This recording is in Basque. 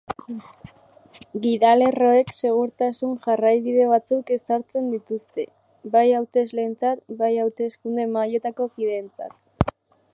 Gidalerroek segurtasun jarraibide batzuk ezartzen dituzte, bai hautesleentzat, bai hauteskunde-mahaietako kideentzat.